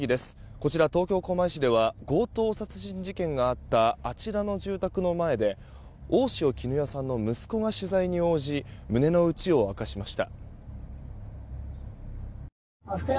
こちら東京・狛江市では強盗殺人事件があったあちらの住宅の前で大塩衣與さんの息子が取材に応じ胸の内を明かしました。